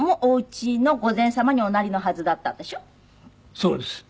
そうです。